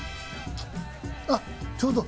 あっちょうど。